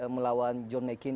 melawan john mccain